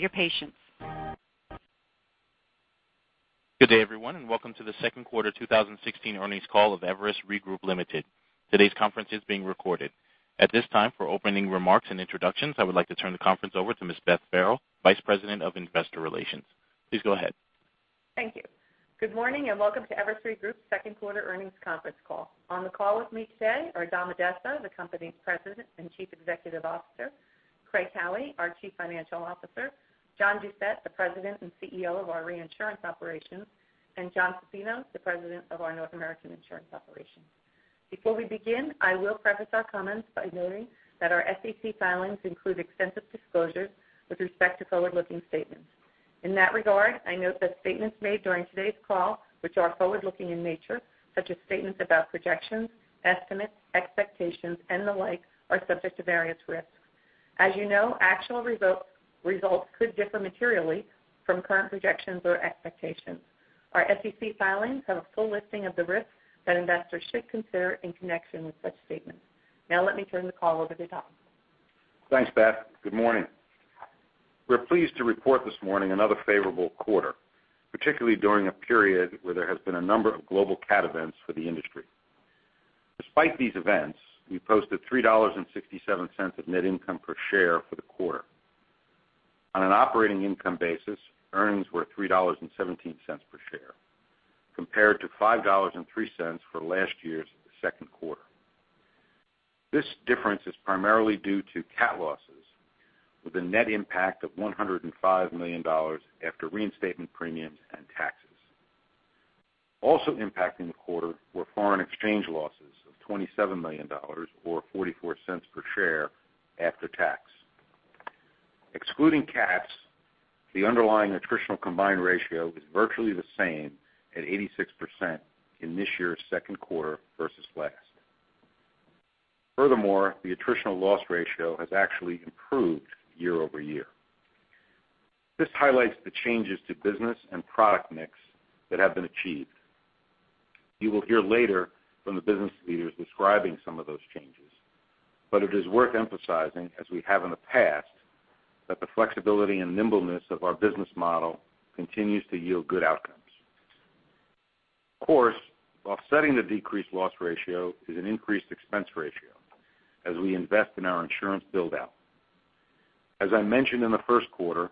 Good day, everyone, welcome to the second quarter 2016 earnings call of Everest Re Group, Ltd.. Today's conference is being recorded. At this time, for opening remarks and introductions, I would like to turn the conference over to Ms. Beth Farrell, Vice President of Investor Relations. Please go ahead. Thank you. Good morning, welcome to Everest Re Group's second quarter earnings conference call. On the call with me today are Dominic Addesso, the company's President and Chief Executive Officer, Craig Howie, our Chief Financial Officer, John Doucette, the President and CEO of our reinsurance operations, and Jonathan Zaffino, the President of our North American insurance operations. Before we begin, I will preface our comments by noting that our SEC filings include extensive disclosures with respect to forward-looking statements. In that regard, I note that statements made during today's call, which are forward-looking in nature, such as statements about projections, estimates, expectations, and the like, are subject to various risks. As you know, actual results could differ materially from current projections or expectations. Our SEC filings have a full listing of the risks that investors should consider in connection with such statements. Now let me turn the call over to Dom. Thanks, Beth. Good morning. We're pleased to report this morning another favorable quarter, particularly during a period where there has been a number of global cat events for the industry. Despite these events, we posted $3.67 of net income per share for the quarter. On an operating income basis, earnings were $3.17 per share, compared to $5.03 for last year's second quarter. This difference is primarily due to cat losses with a net impact of $105 million after reinstatement premiums and taxes. Also impacting the quarter were foreign exchange losses of $27 million, or $0.44 per share after tax. Excluding cats, the underlying attritional combined ratio is virtually the same at 86% in this year's second quarter versus last. Furthermore, the attritional loss ratio has actually improved year-over-year. This highlights the changes to business and product mix that have been achieved. You will hear later from the business leaders describing some of those changes, but it is worth emphasizing, as we have in the past, that the flexibility and nimbleness of our business model continues to yield good outcomes. Of course, offsetting the decreased loss ratio is an increased expense ratio as we invest in our insurance build-out. As I mentioned in the first quarter,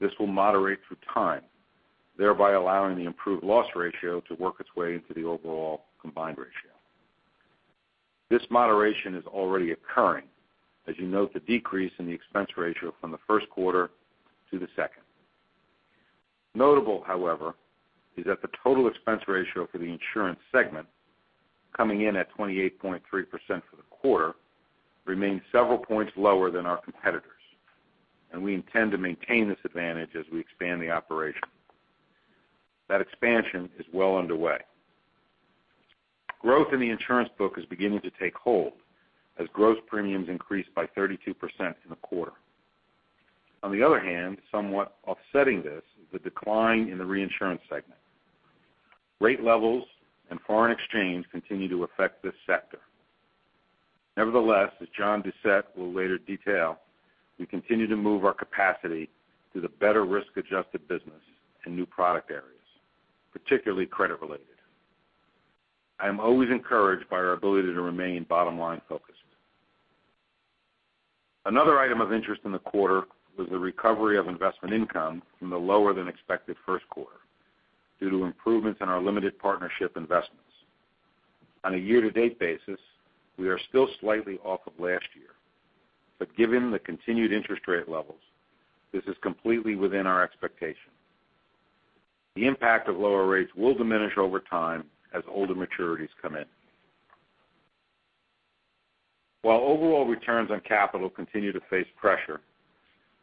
this will moderate through time, thereby allowing the improved loss ratio to work its way into the overall combined ratio. This moderation is already occurring as you note the decrease in the expense ratio from the first quarter to the second. Notable, however, is that the total expense ratio for the insurance segment, coming in at 28.3% for the quarter, remains several points lower than our competitors, and we intend to maintain this advantage as we expand the operation. That expansion is well underway. Growth in the insurance book is beginning to take hold as gross premiums increase by 32% in the quarter. On the other hand, somewhat offsetting this is the decline in the reinsurance segment. Rate levels and foreign exchange continue to affect this sector. As John Doucette will later detail, we continue to move our capacity to the better risk-adjusted business and new product areas, particularly credit related. I am always encouraged by our ability to remain bottom-line focused. Another item of interest in the quarter was the recovery of investment income from the lower-than-expected first quarter due to improvements in our limited partnership investments. On a year-to-date basis, we are still slightly off of last year, given the continued interest rate levels, this is completely within our expectation. The impact of lower rates will diminish over time as older maturities come in. While overall returns on capital continue to face pressure,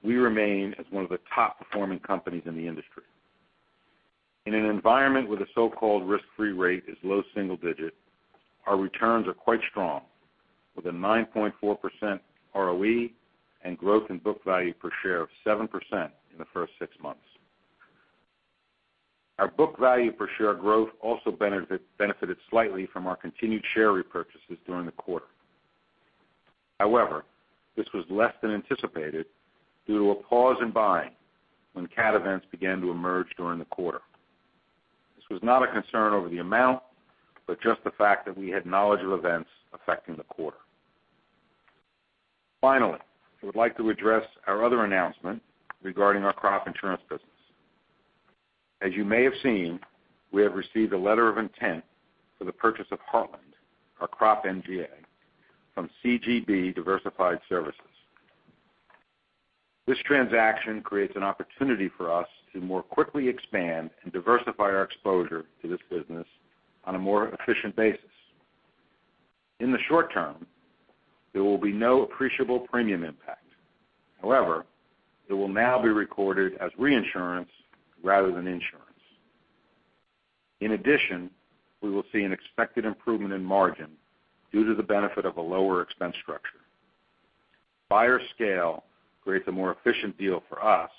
we remain as one of the top-performing companies in the industry. In an environment where the so-called risk-free rate is low single digit, our returns are quite strong, with a 9.4% ROE and growth in book value per share of 7% in the first six months. Our book value per share growth also benefited slightly from our continued share repurchases during the quarter. This was less than anticipated due to a pause in buying when cat events began to emerge during the quarter. This was not a concern over the amount, just the fact that we had knowledge of events affecting the quarter. I would like to address our other announcement regarding our crop insurance business. As you may have seen, we have received a letter of intent for the purchase of Heartland, our crop MGA, from CGB Diversified Services. This transaction creates an opportunity for us to more quickly expand and diversify our exposure to this business on a more efficient basis. In the short term, there will be no appreciable premium impact. However, it will now be recorded as reinsurance rather than insurance. In addition, we will see an expected improvement in margin due to the benefit of a lower expense structure. Buyer scale creates a more efficient deal for us,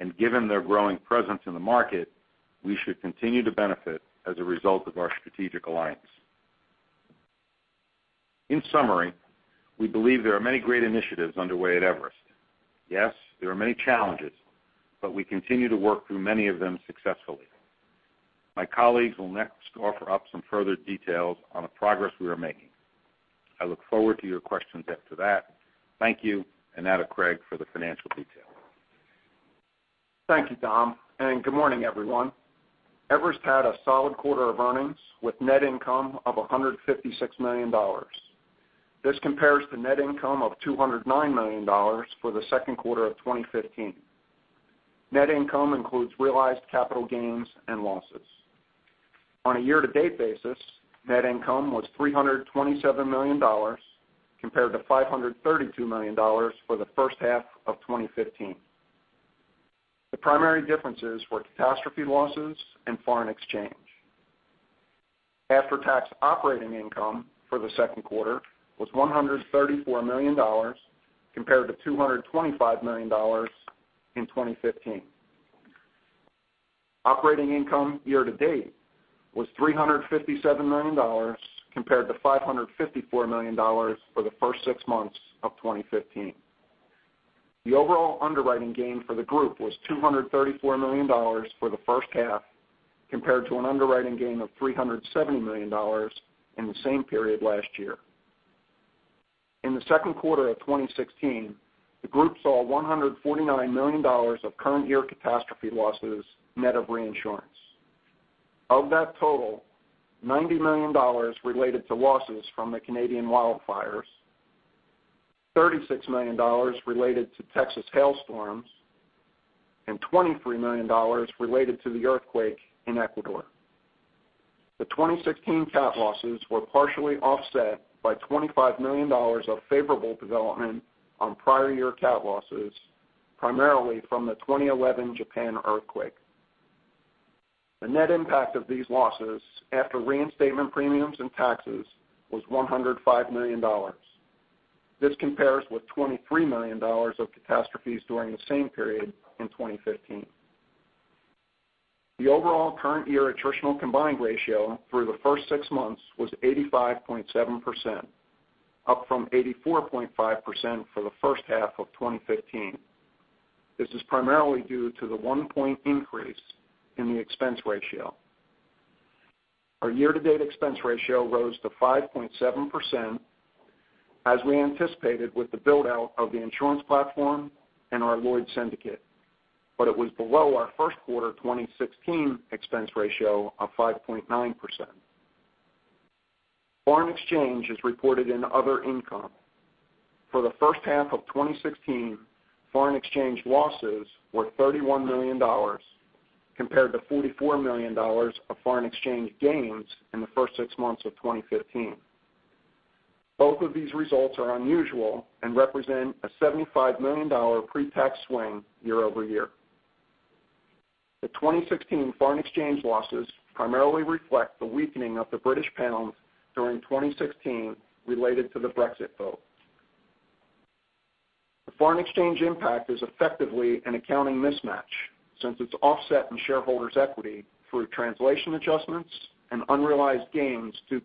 and given their growing presence in the market, we should continue to benefit as a result of our strategic alliance. In summary, we believe there are many great initiatives underway at Everest. Yes, there are many challenges, but we continue to work through many of them successfully. My colleagues will next offer up some further details on the progress we are making. I look forward to your questions after that. Thank you. Now to Craig for the financial details. Thank you, Tom. Good morning, everyone. Everest had a solid quarter of earnings with net income of $156 million. This compares to net income of $209 million for the second quarter of 2015. Net income includes realized capital gains and losses. On a year-to-date basis, net income was $327 million compared to $532 million for the first half of 2015. The primary differences were catastrophe losses and foreign exchange. After-tax operating income for the second quarter was $134 million compared to $225 million in 2015. Operating income year to date was $357 million compared to $554 million for the first six months of 2015. The overall underwriting gain for the group was $234 million for the first half, compared to an underwriting gain of $370 million in the same period last year. In the second quarter of 2016, the group saw $149 million of current year catastrophe losses, net of reinsurance. Of that total, $90 million related to losses from the Canadian wildfires, $36 million related to Texas hailstorms, and $23 million related to the earthquake in Ecuador. The 2016 cat losses were partially offset by $25 million of favorable development on prior year cat losses, primarily from the 2011 Japan earthquake. The net impact of these losses after reinstatement premiums and taxes was $105 million. This compares with $23 million of catastrophes during the same period in 2015. The overall current year attritional combined ratio through the first six months was 85.7%, up from 84.5% for the first half of 2015. This is primarily due to the one point increase in the expense ratio. Our year-to-date expense ratio rose to 5.7% as we anticipated with the build-out of the insurance platform and our Lloyd's syndicate. It was below our first quarter 2016 expense ratio of 5.9%. Foreign exchange is reported in other income. For the first half of 2016, foreign exchange losses were $31 million, compared to $44 million of foreign exchange gains in the first six months of 2015. Both of these results are unusual and represent a $75 million pre-tax swing year-over-year. The 2016 foreign exchange losses primarily reflect the weakening of the British pound during 2016 related to the Brexit vote. The foreign exchange impact is effectively an accounting mismatch, since it's offset in shareholders' equity through translation adjustments and unrealized gains due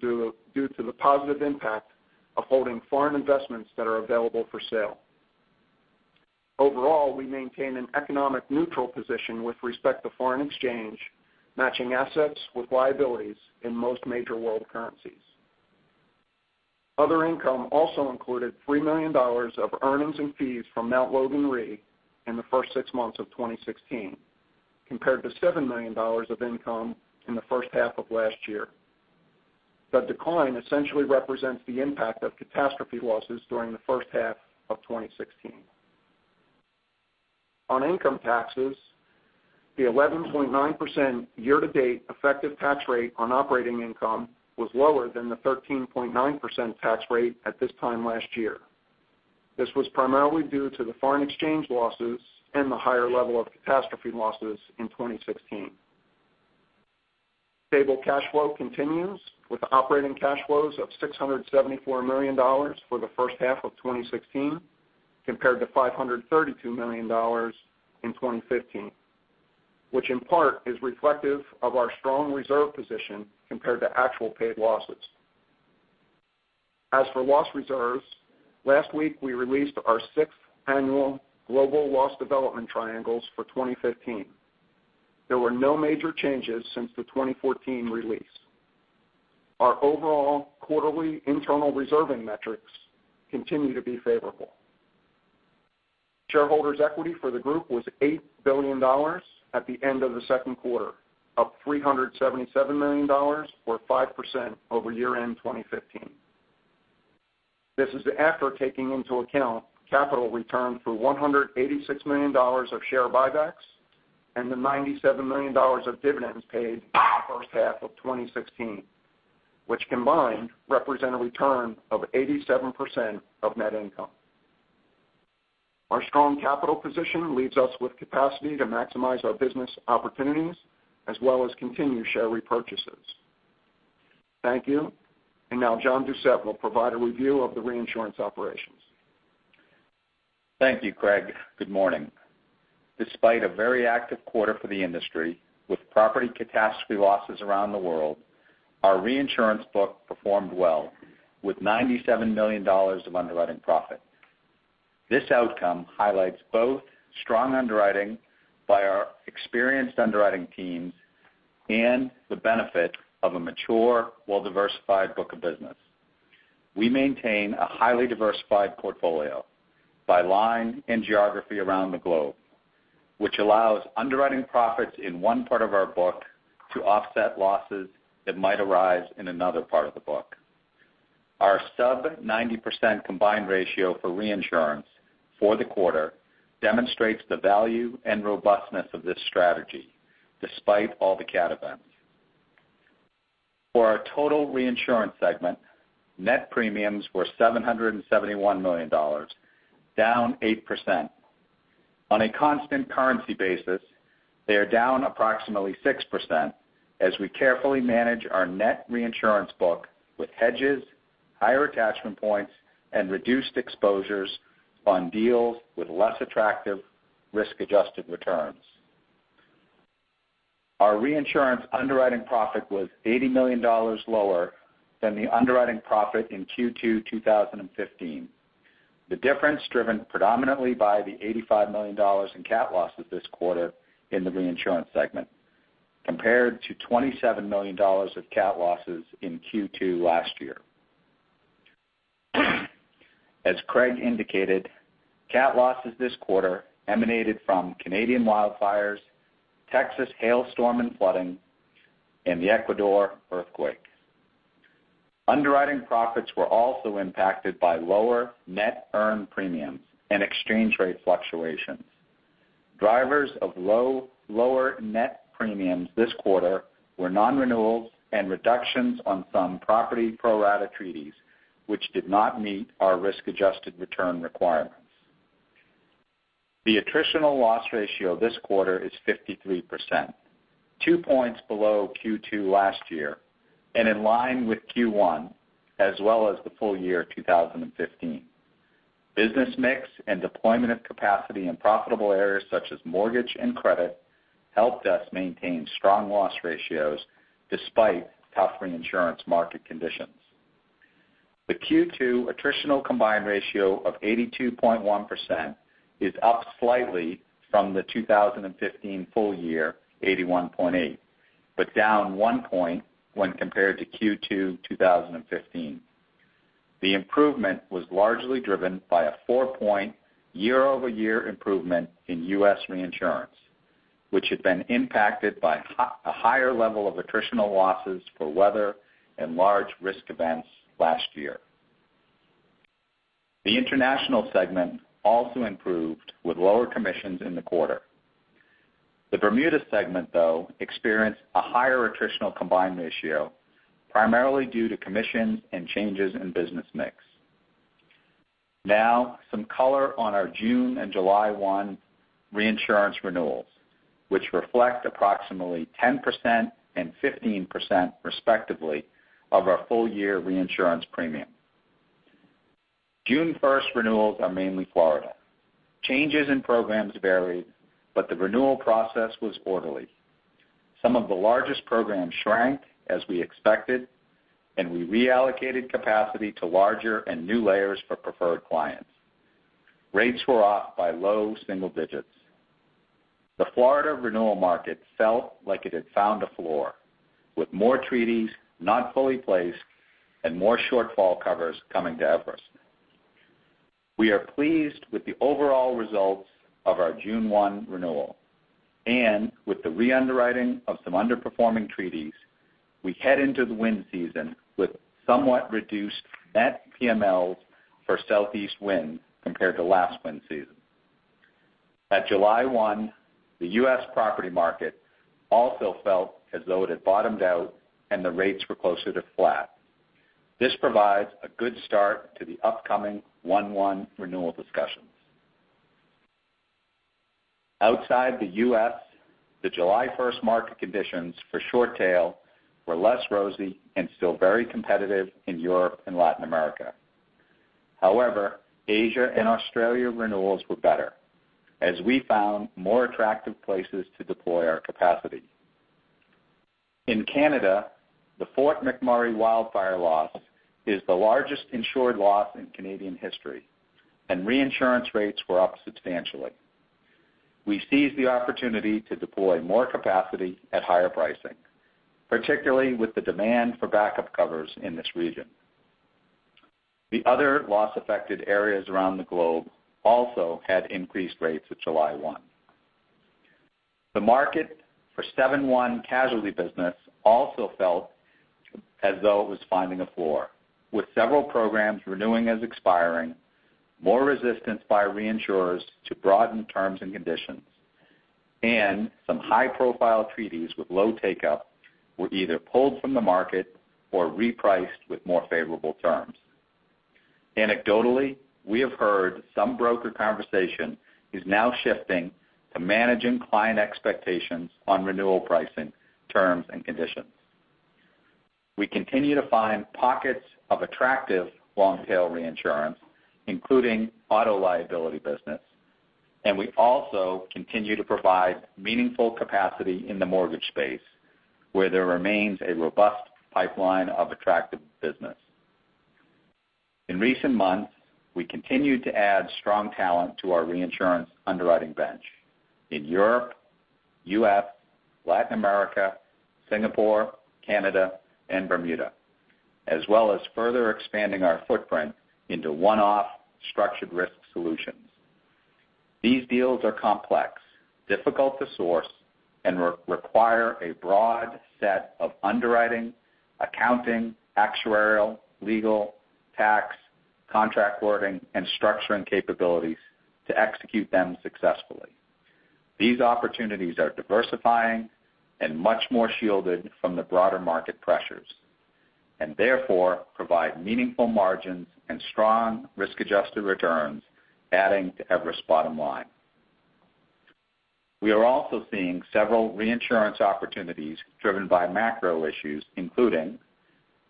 to the positive impact of holding foreign investments that are available for sale. We maintain an economic neutral position with respect to foreign exchange, matching assets with liabilities in most major world currencies. Other income also included $3 million of earnings and fees from Mt. Logan Re in the first six months of 2016, compared to $7 million of income in the first half of last year. The decline essentially represents the impact of catastrophe losses during the first half of 2016. On income taxes, the 11.9% year-to-date effective tax rate on operating income was lower than the 13.9% tax rate at this time last year. This was primarily due to the foreign exchange losses and the higher level of catastrophe losses in 2016. Stable cash flow continues with operating cash flows of $674 million for the first half of 2016, compared to $532 million in 2015, which in part is reflective of our strong reserve position compared to actual paid losses. As for loss reserves, last week, we released our sixth annual global loss development triangles for 2015. There were no major changes since the 2014 release. Our overall quarterly internal reserving metrics continue to be favorable. Shareholders' equity for the group was $8 billion at the end of the second quarter, up $377 million or 5% over year-end 2015. This is after taking into account capital returned through $186 million of share buybacks and the $97 million of dividends paid in the first half of 2016, which combined represent a return of 87% of net income. Our strong capital position leaves us with capacity to maximize our business opportunities as well as continue share repurchases. Thank you. Now John Doucette will provide a review of the reinsurance operations. Thank you, Craig. Good morning. Despite a very active quarter for the industry with property catastrophe losses around the world, our reinsurance book performed well with $97 million of underwriting profit. This outcome highlights both strong underwriting by our experienced underwriting teams and the benefit of a mature, well-diversified book of business. We maintain a highly diversified portfolio by line and geography around the globe, which allows underwriting profits in one part of our book to offset losses that might arise in another part of the book. Our sub 90% combined ratio for reinsurance for the quarter demonstrates the value and robustness of this strategy, despite all the cat events. For our total reinsurance segment, net premiums were $771 million, down 8%. On a constant currency basis, they are down approximately 6% as we carefully manage our net reinsurance book with hedges, higher attachment points, and reduced exposures on deals with less attractive risk-adjusted returns. Our reinsurance underwriting profit was $80 million lower than the underwriting profit in Q2 2015. The difference driven predominantly by the $85 million in cat losses this quarter in the reinsurance segment, compared to $27 million of cat losses in Q2 last year. As Craig indicated, cat losses this quarter emanated from Canadian wildfires, Texas hailstorm and flooding, and the Ecuador earthquake. Underwriting profits were also impacted by lower net earned premiums and exchange rate fluctuations. Drivers of lower net premiums this quarter were non-renewals and reductions on some property pro-rata treaties, which did not meet our risk-adjusted return requirements. The attritional loss ratio this quarter is 53%, two points below Q2 last year and in line with Q1 as well as the full year 2015. Business mix and deployment of capacity in profitable areas such as mortgage and credit helped us maintain strong loss ratios despite tough reinsurance market conditions. The Q2 attritional combined ratio of 82.1% is up slightly from the 2015 full year, 81.8%, but down one point when compared to Q2 2015. The improvement was largely driven by a four-point year-over-year improvement in U.S. reinsurance, which had been impacted by a higher level of attritional losses for weather and large risk events last year. The international segment also improved with lower commissions in the quarter. The Bermuda segment, though, experienced a higher attritional combined ratio, primarily due to commissions and changes in business mix. Now, some color on our June and July 1 reinsurance renewals, which reflect approximately 10% and 15% respectively of our full year reinsurance premium. June 1st renewals are mainly Florida. Changes in programs varied, but the renewal process was orderly. Some of the largest programs shrank as we expected, and we reallocated capacity to larger and new layers for preferred clients. Rates were up by low single digits. The Florida renewal market felt like it had found a floor with more treaties not fully placed and more shortfall covers coming to Everest. We are pleased with the overall results of our June 1 renewal and with the re-underwriting of some underperforming treaties, we head into the wind season with somewhat reduced net PMLs for Southeast wind compared to last wind season. At July 1, the U.S. property market also felt as though it had bottomed out and the rates were closer to flat. This provides a good start to the upcoming 1/1 renewal discussions. Outside the U.S., the July 1st market conditions for short tail were less rosy and still very competitive in Europe and Latin America. However, Asia and Australia renewals were better as we found more attractive places to deploy our capacity. In Canada, the Fort McMurray wildfire loss is the largest insured loss in Canadian history, and reinsurance rates were up substantially. We seized the opportunity to deploy more capacity at higher pricing, particularly with the demand for backup covers in this region. The other loss-affected areas around the globe also had increased rates at July 1. The market for 7/1 casualty business also felt as though it was finding a floor with several programs renewing as expiring, more resistance by reinsurers to broaden terms and conditions, and some high-profile treaties with low take-up were either pulled from the market or repriced with more favorable terms. Anecdotally, we have heard some broker conversation is now shifting to managing client expectations on renewal pricing terms and conditions. We continue to find pockets of attractive long-tail reinsurance, including auto liability business, and we also continue to provide meaningful capacity in the mortgage space, where there remains a robust pipeline of attractive business. In recent months, we continued to add strong talent to our reinsurance underwriting bench in Europe, U.S., Latin America, Singapore, Canada, and Bermuda, as well as further expanding our footprint into one-off structured risk solutions. These deals are complex, difficult to source, and require a broad set of underwriting, accounting, actuarial, legal, tax, contract wording, and structuring capabilities to execute them successfully. These opportunities are diversifying and much more shielded from the broader market pressures, and therefore provide meaningful margins and strong risk-adjusted returns adding to Everest's bottom line. We are also seeing several reinsurance opportunities driven by macro issues, including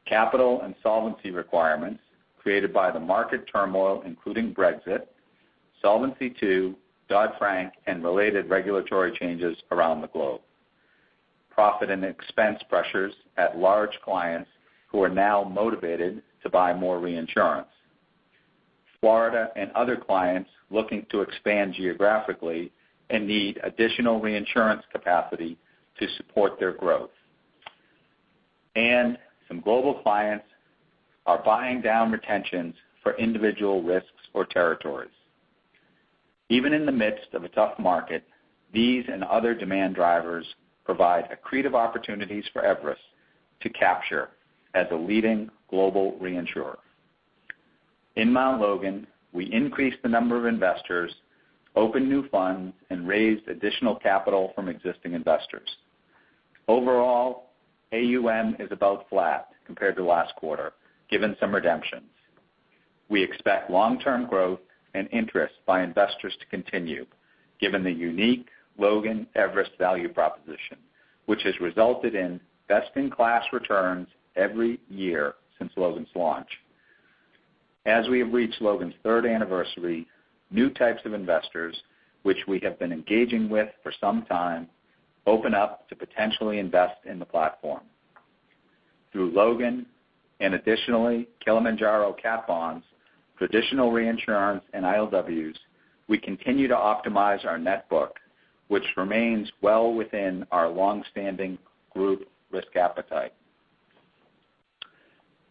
capital and solvency requirements created by the market turmoil, including Brexit, Solvency II, Dodd-Frank, and related regulatory changes around the globe. Profit and expense pressures at large clients who are now motivated to buy more reinsurance. Florida and other clients looking to expand geographically and need additional reinsurance capacity to support their growth. Some global clients are buying down retentions for individual risks or territories. Even in the midst of a tough market, these and other demand drivers provide accretive opportunities for Everest to capture as a leading global reinsurer. In Mt. Logan Re, we increased the number of investors, opened new funds, and raised additional capital from existing investors. Overall, AUM is about flat compared to last quarter, given some redemptions. We expect long-term growth and interest by investors to continue, given the unique Logan Everest value proposition, which has resulted in best-in-class returns every year since Logan's launch. As we have reached Logan's third anniversary, new types of investors, which we have been engaging with for some time, open up to potentially invest in the platform. Through Logan and additionally Kilimanjaro Re cat bonds, traditional reinsurance, and ILWs, we continue to optimize our net book, which remains well within our longstanding group risk appetite.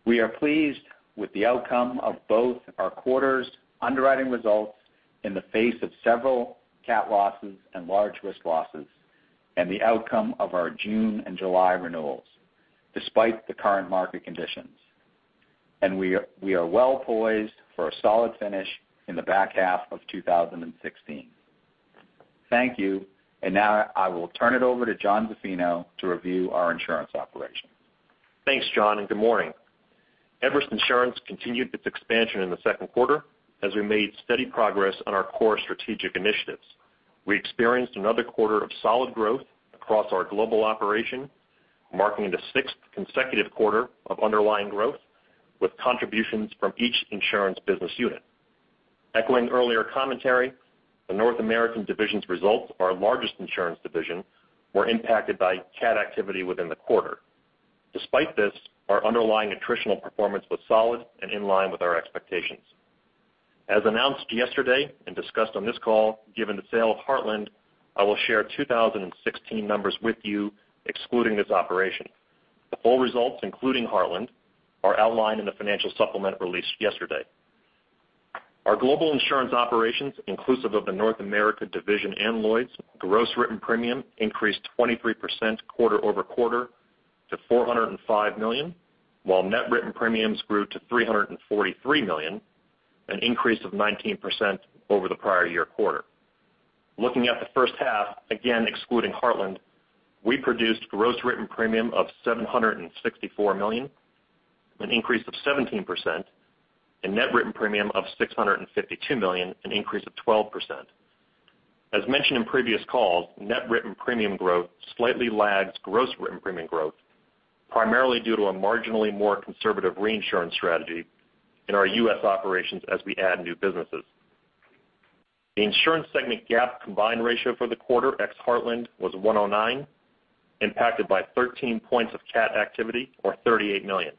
We are pleased with the outcome of both our quarter's underwriting results in the face of several cat losses and large risk losses and the outcome of our June and July renewals despite the current market conditions. We are well poised for a solid finish in the back half of 2016. Thank you. Now I will turn it over to Jonathan Zaffino to review our insurance operations. Thanks, John, and good morning. Everest Insurance continued its expansion in the second quarter as we made steady progress on our core strategic initiatives. We experienced another quarter of solid growth across our global operation, marking the sixth consecutive quarter of underlying growth with contributions from each insurance business unit. Echoing earlier commentary, the North American division's results, our largest insurance division, were impacted by cat activity within the quarter. Despite this, our underlying attritional performance was solid and in line with our expectations. As announced yesterday and discussed on this call, given the sale of Heartland, I will share 2016 numbers with you excluding this operation. The full results, including Heartland, are outlined in the financial supplement released yesterday. Our global insurance operations, inclusive of the North America division and Lloyd's gross written premium increased 23% quarter-over-quarter to $405 million, while net written premiums grew to $343 million, an increase of 19% over the prior year quarter. Looking at the first half, again excluding Heartland, we produced gross written premium of $764 million, an increase of 17%, and net written premium of $652 million, an increase of 12%. As mentioned in previous calls, net written premium growth slightly lags gross written premium growth primarily due to a marginally more conservative reinsurance strategy in our U.S. operations as we add new businesses. The insurance segment GAAP combined ratio for the quarter ex Heartland was 109, impacted by 13 points of cat activity or $38 million.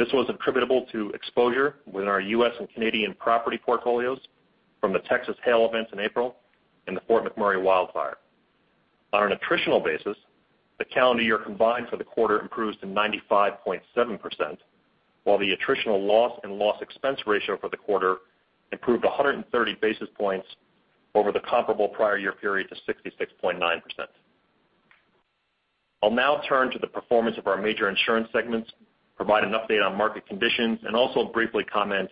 This was attributable to exposure within our U.S. and Canadian property portfolios from the Texas hail events in April and the Fort McMurray wildfire. On an attritional basis, the calendar year combined for the quarter improves to 95.7%, while the attritional loss and loss expense ratio for the quarter improved 130 basis points over the comparable prior year period to 66.9%. I'll now turn to the performance of our major insurance segments, provide an update on market conditions, and also briefly comment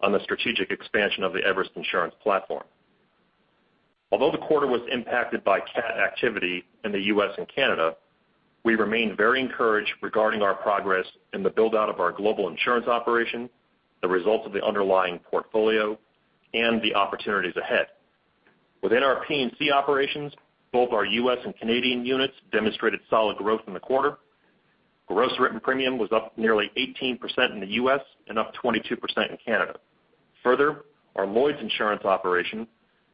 on the strategic expansion of the Everest Insurance platform. Although the quarter was impacted by cat activity in the U.S. and Canada, we remain very encouraged regarding our progress in the build-out of our global insurance operation, the results of the underlying portfolio, and the opportunities ahead. Within our P&C operations, both our U.S. and Canadian units demonstrated solid growth in the quarter. Gross written premium was up nearly 18% in the U.S. and up 22% in Canada. Further, our Lloyd's insurance operation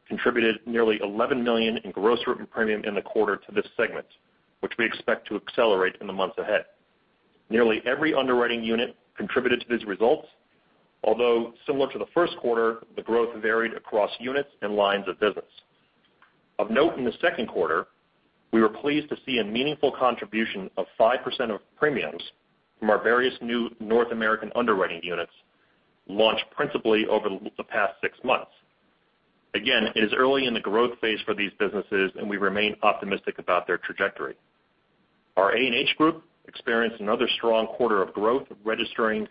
contributed nearly $11 million in gross written premium in the quarter to this segment, which we expect to accelerate in the months ahead. Nearly every underwriting unit contributed to these results, although similar to the first quarter, the growth varied across units and lines of business. Of note in the second quarter, we were pleased to see a meaningful contribution of 5% of premiums from our various new North American underwriting units launch principally over the past six months. It is early in the growth phase for these businesses, and we remain optimistic about their trajectory. Our A&H group experienced another strong quarter of growth, registering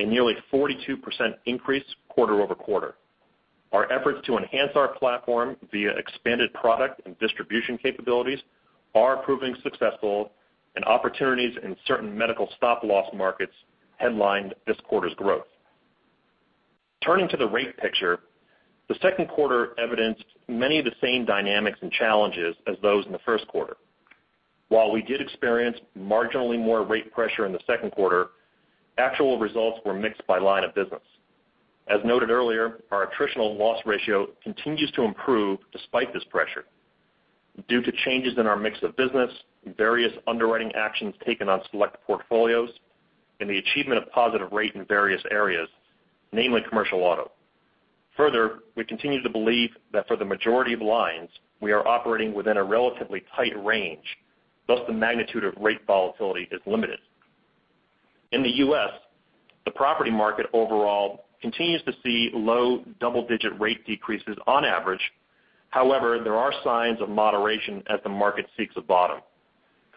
a nearly 42% increase quarter-over-quarter. Our efforts to enhance our platform via expanded product and distribution capabilities are proving successful, opportunities in certain medical stop loss markets headlined this quarter's growth. Turning to the rate picture, the second quarter evidenced many of the same dynamics and challenges as those in the first quarter. While we did experience marginally more rate pressure in the second quarter, actual results were mixed by line of business. As noted earlier, our attritional loss ratio continues to improve despite this pressure due to changes in our mix of business, various underwriting actions taken on select portfolios, and the achievement of positive rate in various areas, namely commercial auto. Further, we continue to believe that for the majority of lines, we are operating within a relatively tight range, thus the magnitude of rate volatility is limited. In the U.S., the property market overall continues to see low double-digit rate decreases on average. However, there are signs of moderation as the market seeks a bottom.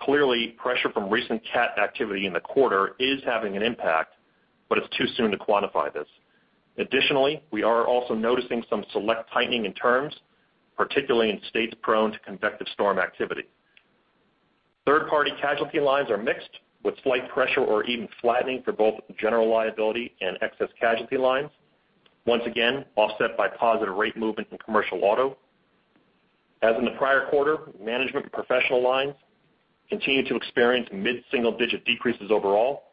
Clearly, pressure from recent cat activity in the quarter is having an impact, but it's too soon to quantify this. Additionally, we are also noticing some select tightening in terms, particularly in states prone to convective storm activity. Third-party casualty lines are mixed with slight pressure or even flattening for both general liability and excess casualty lines, once again offset by positive rate movement in commercial auto. As in the prior quarter, management professional lines continue to experience mid-single-digit decreases overall.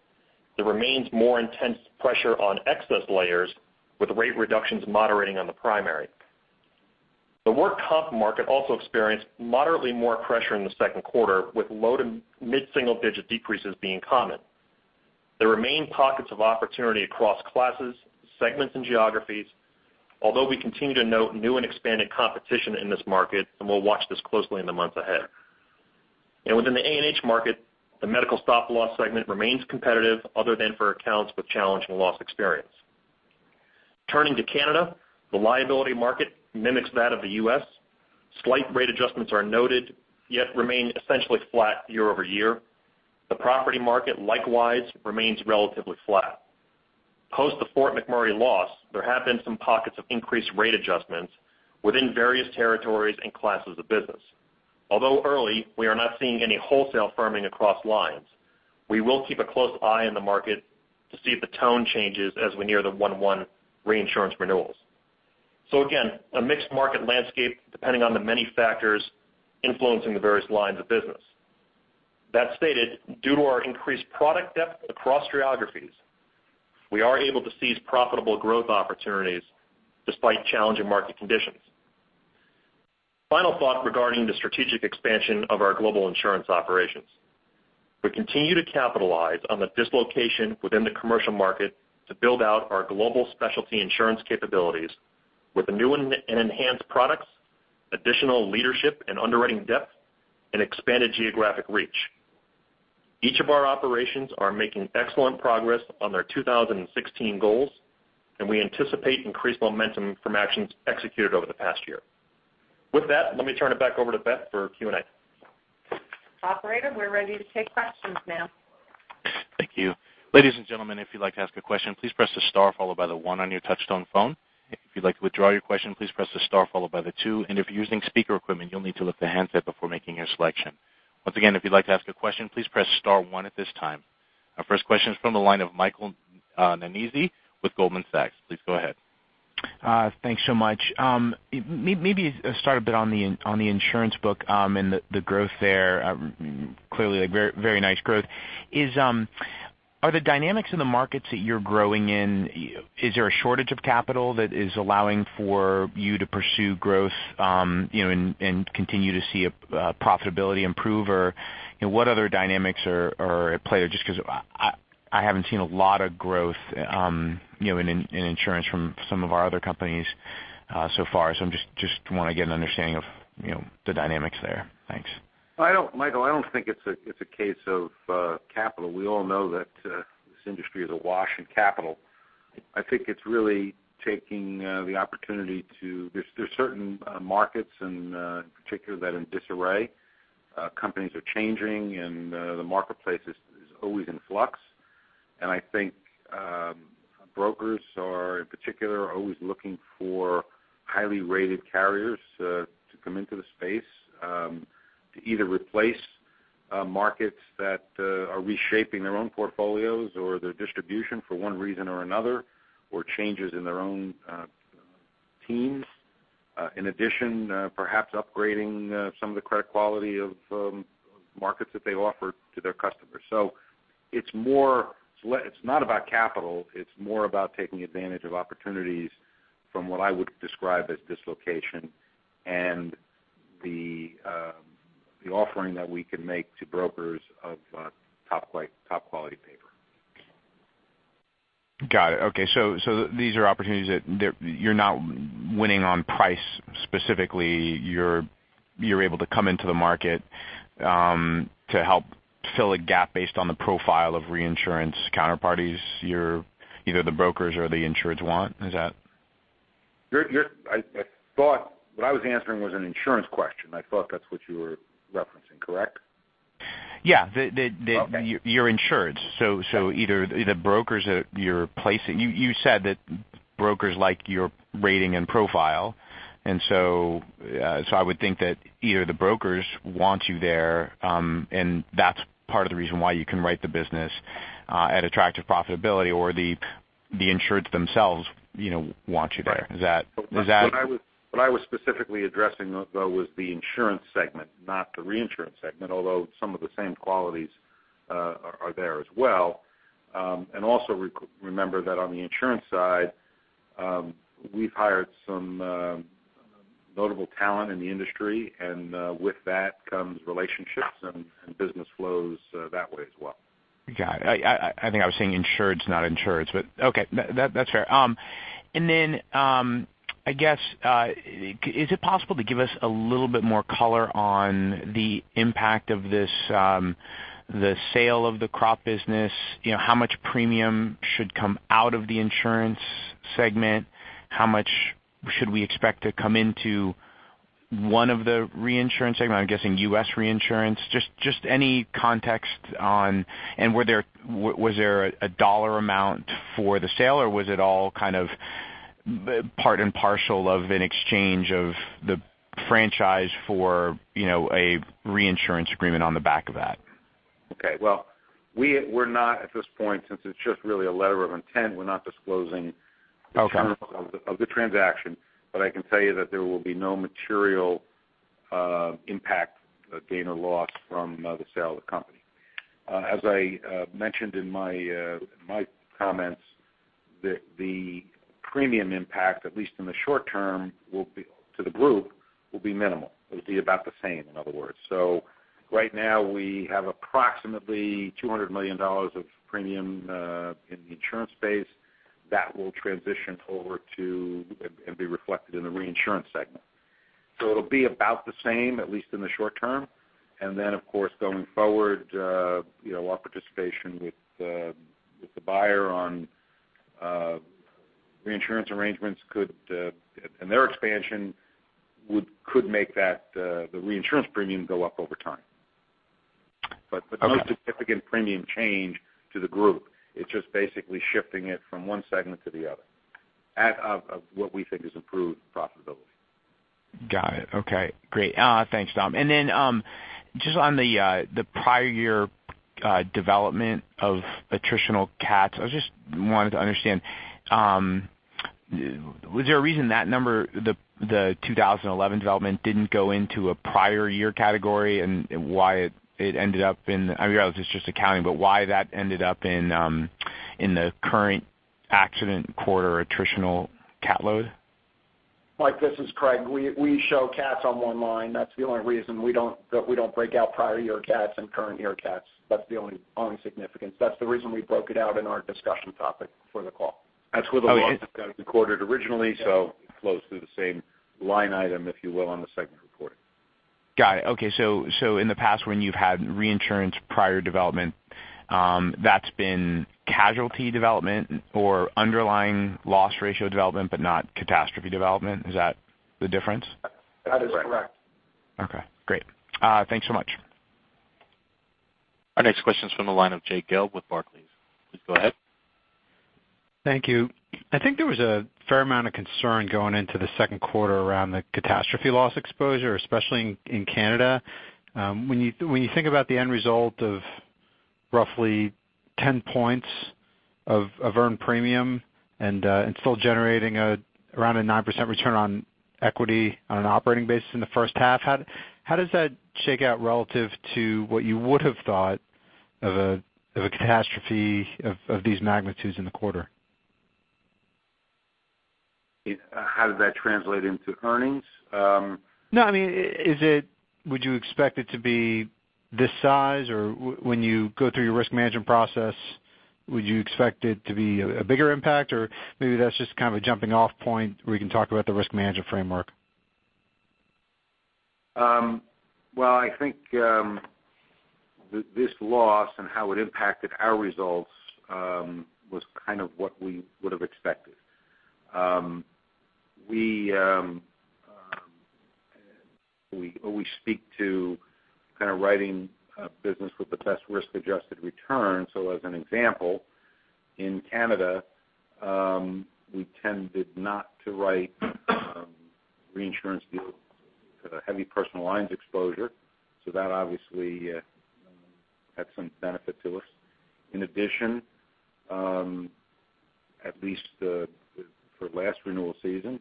There remains more intense pressure on excess layers with rate reductions moderating on the primary. The workers' comp market also experienced moderately more pressure in the second quarter, with low to mid-single-digit decreases being common. There remain pockets of opportunity across classes, segments, and geographies, although we continue to note new and expanded competition in this market, we'll watch this closely in the months ahead. Within the A&H market, the medical stop loss segment remains competitive other than for accounts with challenging loss experience. Turning to Canada, the liability market mimics that of the U.S. Slight rate adjustments are noted, yet remain essentially flat year-over-year. The property market likewise remains relatively flat. Post the Fort McMurray loss, there have been some pockets of increased rate adjustments within various territories and classes of business. Although early, we are not seeing any wholesale firming across lines. We will keep a close eye on the market to see if the tone changes as we near the 1/1 reinsurance renewals. Again, a mixed market landscape depending on the many factors influencing the various lines of business. That stated, due to our increased product depth across geographies, we are able to seize profitable growth opportunities despite challenging market conditions. Final thought regarding the strategic expansion of our global insurance operations. We continue to capitalize on the dislocation within the commercial market to build out our global specialty insurance capabilities with new and enhanced products, additional leadership and underwriting depth, and expanded geographic reach. Each of our operations are making excellent progress on their 2016 goals, we anticipate increased momentum from actions executed over the past year. With that, let me turn it back over to Beth for Q&A. Operator, we're ready to take questions now. Thank you. Ladies and gentlemen, if you'd like to ask a question, please press the star followed by the one on your touch-tone phone. If you'd like to withdraw your question, please press the star followed by the two, and if you're using speaker equipment, you'll need to lift the handset before making your selection. Once again, if you'd like to ask a question, please press star one at this time. Our first question is from the line of Michael Nannizzi with Goldman Sachs. Please go ahead. Thanks so much. Maybe start a bit on the insurance book and the growth there. Clearly very nice growth. Are the dynamics in the markets that you're growing in, is there a shortage of capital that is allowing for you to pursue growth, and continue to see profitability improve, or what other dynamics are at play there? Just because I haven't seen a lot of growth in insurance from some of our other companies so far. I just want to get an understanding of the dynamics there. Thanks. Michael, I don't think it's a case of capital. We all know that this industry is awash in capital. I think it's really taking the opportunity. There's certain markets in particular that are in disarray. Companies are changing, and the marketplace is always in flux. I think brokers are, in particular, always looking for highly rated carriers to come into the space to either replace Markets that are reshaping their own portfolios or their distribution for one reason or another, or changes in their own teams. In addition, perhaps upgrading some of the credit quality of markets that they offer to their customers. It's not about capital, it's more about taking advantage of opportunities from what I would describe as dislocation and the offering that we can make to brokers of top-quality paper. Got it. Okay. These are opportunities that you're not winning on price specifically. You're able to come into the market to help fill a gap based on the profile of reinsurance counterparties, either the brokers or the insureds want. Is that it? What I was answering was an insurance question. I thought that's what you were referencing, correct? Yeah. Okay. You're insured. You said that brokers like your rating and profile, I would think that either the brokers want you there, and that's part of the reason why you can write the business at attractive profitability or the insureds themselves want you there. Right. Is that? What I was specifically addressing, though, was the insurance segment, not the reinsurance segment, although some of the same qualities are there as well. Also remember that on the insurance side, we've hired some notable talent in the industry, and with that comes relationships and business flows that way as well. Got it. I think I was saying insureds, not insurers, but okay. That's fair. Then, I guess, is it possible to give us a little bit more color on the impact of the sale of the crop business? How much premium should come out of the insurance segment? How much should we expect to come into one of the reinsurance segment, I'm guessing U.S. reinsurance? Just any context on. Was there a dollar amount for the sale, or was it all kind of part and parcel of an exchange of the franchise for a reinsurance agreement on the back of that? Okay. Well, we're not at this point, since it's just really a letter of intent, we're not disclosing. Okay I can tell you that there will be no material impact, gain or loss, from the sale of the company. As I mentioned in my comments, the premium impact, at least in the short term to the group, will be minimal. It'll be about the same, in other words. Right now we have approximately $200 million of premium in the insurance space that will transition over to and be reflected in the reinsurance segment. It'll be about the same, at least in the short term, and then of course, going forward our participation with the buyer on reinsurance arrangements and their expansion could make the reinsurance premium go up over time. No significant premium change to the group. It's just basically shifting it from one segment to the other at what we think is improved profitability. Got it. Okay, great. Thanks, Tom. Just on the prior year development of attritional cats, I just wanted to understand, was there a reason that number, the 2011 development, didn't go into a prior year category and why it ended up in, I realize it's just accounting, but why that ended up in the current accident quarter attritional cat load? Mike, this is Craig. We show cats on one line. That's the only reason we don't break out prior year cats and current year cats. That's the only significance. That's the reason we broke it out in our discussion topic for the call. That's where the loss got recorded originally, it flows through the same line item, if you will, on the segment reporting. Got it. Okay. In the past when you've had reinsurance prior development, that's been casualty development or underlying loss ratio development, but not catastrophe development. Is that the difference? That is correct. Right. Okay, great. Thanks so much. Our next question is from the line of Jay Gelb with Barclays. Please go ahead. Thank you. I think there was a fair amount of concern going into the second quarter around the catastrophe loss exposure, especially in Canada. When you think about the end result of roughly 10 points of earned premium and still generating around a 9% return on equity on an operating basis in the first half, how does that shake out relative to what you would have thought of a catastrophe of these magnitudes in the quarter? How does that translate into earnings? No, would you expect it to be this size? When you go through your risk management process, would you expect it to be a bigger impact? Maybe that's just kind of a jumping off point where we can talk about the risk management framework. Well, I think this loss and how it impacted our results was kind of what we would have expected. We speak to kind of writing business with the best risk-adjusted return. As an example in Canada, we tended not to write reinsurance deals for the heavy personal lines exposure, so that obviously had some benefit to us. In addition, at least for last renewal season,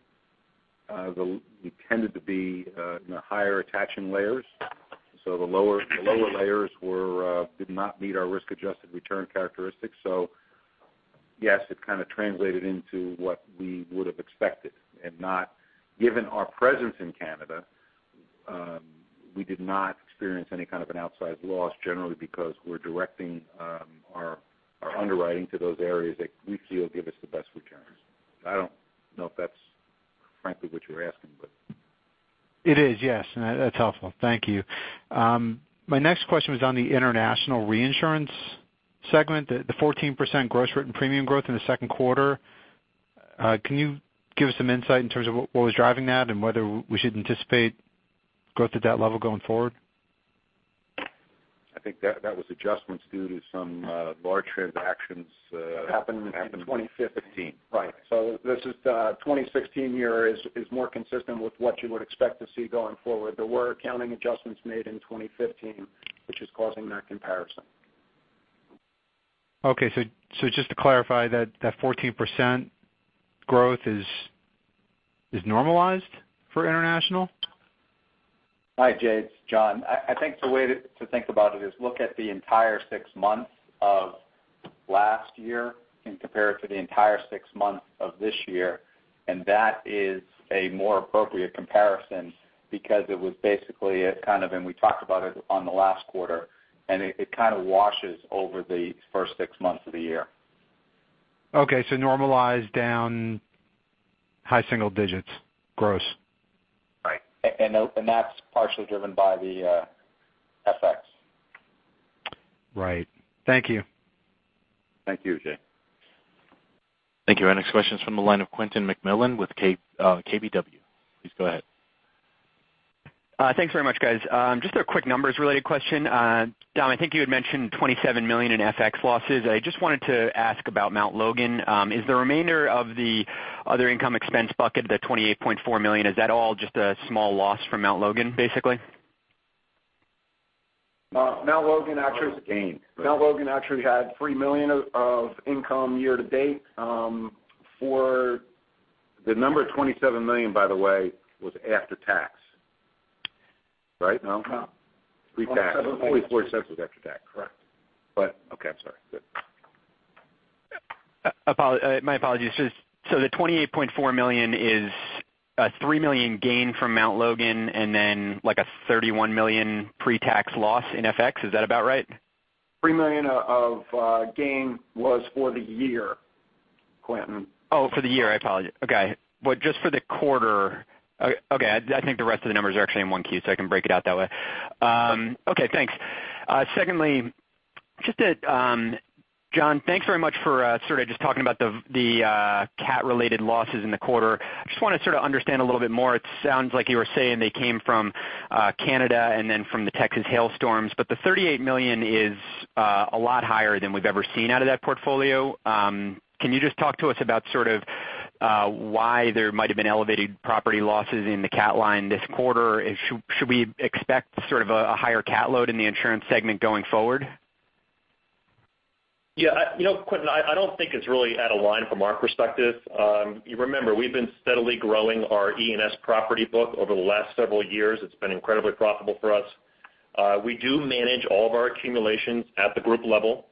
we tended to be in the higher attaching layers, so the lower layers did not meet our risk-adjusted return characteristics. Yes, it kind of translated into what we would have expected. Given our presence in Canada, we did not experience any kind of an outsized loss generally because we're directing our underwriting to those areas that we feel give us the best returns. I don't know if that's frankly what you were asking. It is, yes. No, that's helpful. Thank you. My next question was on the international reinsurance segment, the 14% gross written premium growth in the second quarter. Can you give us some insight in terms of what was driving that and whether we should anticipate growth at that level going forward? I think that was adjustments due to some large transactions that happened in 2015. Right. The 2016 year is more consistent with what you would expect to see going forward. There were accounting adjustments made in 2015, which is causing that comparison. Okay, just to clarify, that 14% growth is normalized for international? Hi, Jay. It's John. I think the way to think about it is look at the entire six months of last year and compare it to the entire six months of this year. That is a more appropriate comparison because it was basically a kind of and we talked about it on the last quarter, and it kind of washes over the first six months of the year. Okay, normalized down high single digits gross. Right. That's partially driven by the FX. Right. Thank you. Thank you, Jay. Thank you. Our next question's from the line of Quentin McMillan with KBW. Please go ahead. Thanks very much, guys. Just a quick numbers related question. Dom, I think you had mentioned $27 million in FX losses. I just wanted to ask about Mount Logan. Is the remainder of the other income expense bucket, the $28.4 million, is that all just a small loss from Mount Logan, basically? Mount Logan actually Gain Mt. Logan actually had $3 million of income year to date for. The number $27 million, by the way, was after tax. Right, Mt. Logan? Pre-tax. Only $0.04 was after tax. Correct. Okay, I'm sorry. Good. My apologies. The $28.4 million is a $3 million gain from Mt. Logan and then, like a $31 million pre-tax loss in FX. Is that about right? $3 million of gain was for the year, Quentin. Oh, for the year. I apologize. Okay. Just for the quarter Okay, I think the rest of the numbers are actually in one Q, so I can break it out that way. Okay, thanks. Secondly, John, thanks very much for sort of just talking about the cat-related losses in the quarter. I just want to sort of understand a little bit more. It sounds like you were saying they came from Canada and then from the Texas hailstorms. The $38 million is a lot higher than we've ever seen out of that portfolio. Can you just talk to us about sort of why there might've been elevated property losses in the cat line this quarter? Should we expect sort of a higher cat load in the insurance segment going forward? Yeah. Quentin, I don't think it's really out of line from our perspective. Remember, we've been steadily growing our E&S property book over the last several years. It's been incredibly profitable for us. We do manage all of our accumulations at the group level.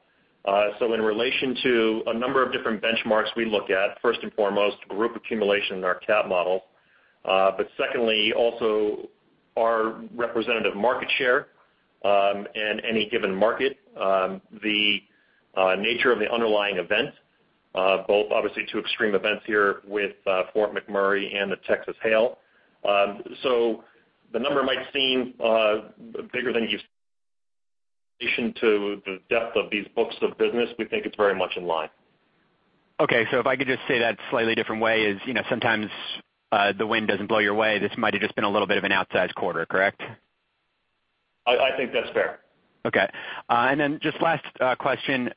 In relation to a number of different benchmarks we look at, first and foremost, group accumulation in our cat model. Secondly, also our representative market share in any given market, the nature of the underlying event, both obviously two extreme events here with Fort McMurray and the Texas hail. The number might seem bigger than you've seen in addition to the depth of these books of business, we think it's very much in line. Okay. If I could just say that slightly different way is, sometimes the wind doesn't blow your way. This might've just been a little bit of an outsized quarter, correct? I think that's fair. Okay. Then just last question.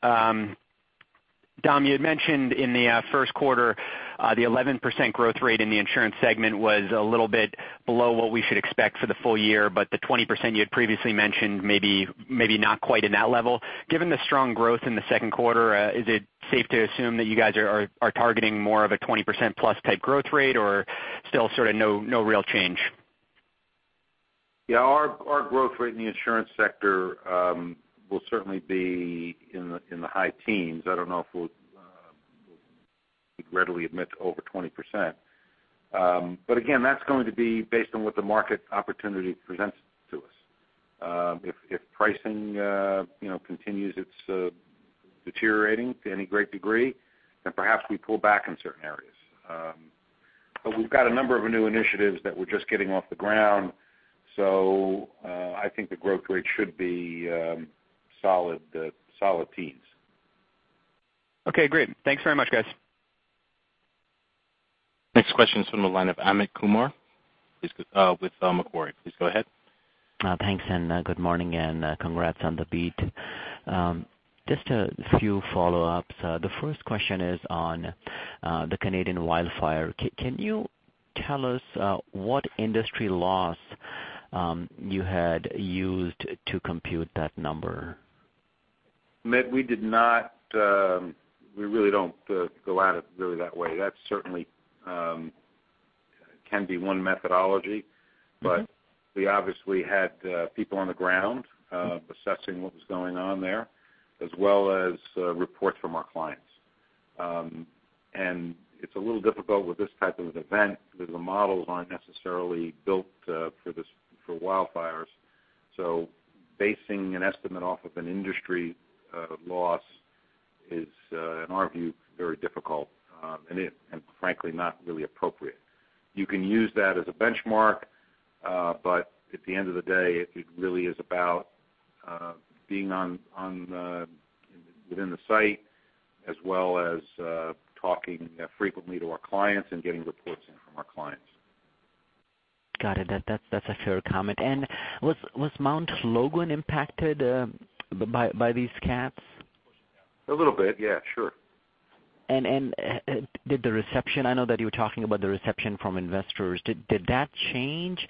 Dom, you had mentioned in the first quarter the 11% growth rate in the insurance segment was a little bit below what we should expect for the full year, but the 20% you had previously mentioned maybe not quite in that level. Given the strong growth in the second quarter, is it safe to assume that you guys are targeting more of a 20% plus type growth rate or still sort of no real change? Yeah. Our growth rate in the insurance sector will certainly be in the high teens. I don't know if we'll readily admit to over 20%. Again, that's going to be based on what the market opportunity presents to us. If pricing continues its deteriorating to any great degree, then perhaps we pull back in certain areas. We've got a number of new initiatives that we're just getting off the ground, I think the growth rate should be solid teens. Okay, great. Thanks very much, guys. Next question is from the line of Amit Kumar with Macquarie. Please go ahead. Thanks, good morning, and congrats on the beat. Just a few follow-ups. The first question is on the Canadian wildfire. Can you tell us what industry loss you had used to compute that number? Amit, we really don't go at it really that way. That certainly can be one methodology, but we obviously had people on the ground assessing what was going on there, as well as reports from our clients. It's a little difficult with this type of an event because the models aren't necessarily built for wildfires. Basing an estimate off of an industry loss is, in our view, very difficult, and frankly, not really appropriate. You can use that as a benchmark, but at the end of the day, it really is about being within the site as well as talking frequently to our clients and getting reports in from our clients. Got it. That's a fair comment. Was Mount Logan impacted by these cats? A little bit, yeah. Sure. Did the reception, I know that you were talking about the reception from investors, did that change?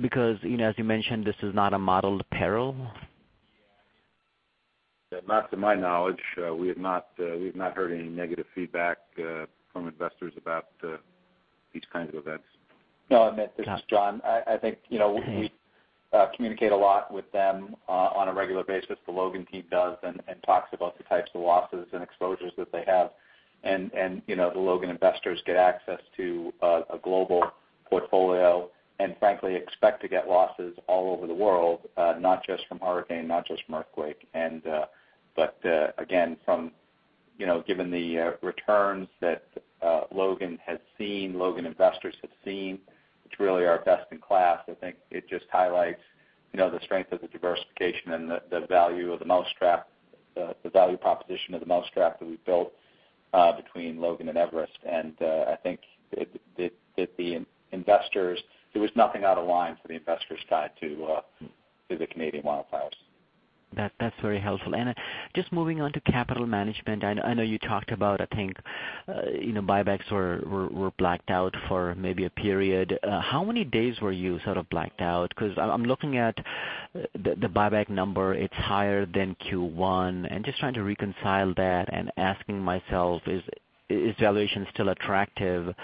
Because as you mentioned, this is not a modeled peril. Not to my knowledge. We have not heard any negative feedback from investors about these kinds of events. No, Amit, this is John. I think we communicate a lot with them on a regular basis, the Logan team does, and talks about the types of losses and exposures that they have. The Logan investors get access to a global portfolio, and frankly, expect to get losses all over the world, not just from hurricane, not just from earthquake. Again, given the returns that Logan has seen, Logan investors have seen, it's really our best in class. I think it just highlights the strength of the diversification and the value proposition of the mousetrap that we've built between Logan and Everest. I think there was nothing out of line for the investors tied to the Canadian wildfires. That's very helpful. Just moving on to capital management. I know you talked about, I think, buybacks were blacked out for maybe a period. How many days were you sort of blacked out? I'm looking at the buyback number, it's higher than Q1, just trying to reconcile that and asking myself, is valuation still attractive